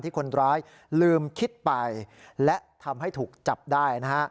คนร้ายลืมคิดไปและทำให้ถูกจับได้นะฮะ